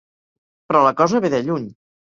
Però la cosa ve de lluny.